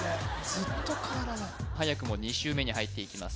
ずっと体が早くも２周目に入っていきます